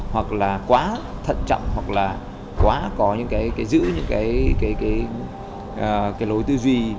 hoặc là quá thận trọng hoặc là quá có những cái giữ những cái lối tư duy